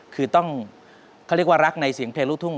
คือต้องเขาเรียกว่ารักในเสียงเพลงลูกทุ่ง